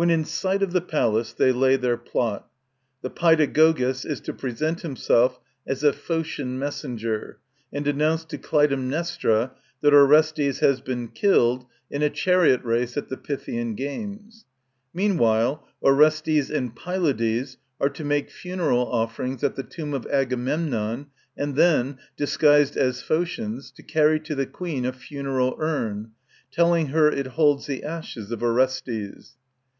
When in sight of the palace they lay their plot. The Paedagogus ts to present himself as a Phocian messenger and announce to Clytem nestra that Orestes has been killed in a chariot race at the Pythian games. Meanwhile Orestes and Pylades are to make funeral offerings at the tomb of Agamemnon and then, disguised as Phocians, to carry to the Queen a Suneral urn, telling her it holds the ashes of Orestes.